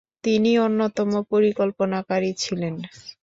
তিনি অন্যতম পরিকল্পনাকারী ছিলেন।